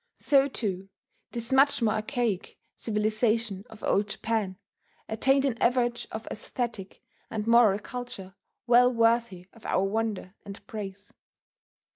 So, too, this much more archaic civilization of Old Japan attained an average of aesthetic and moral culture well worthy of our wonder and praise.